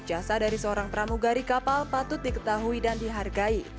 jasa dari seorang pramugari kapal patut diketahui dan dihargai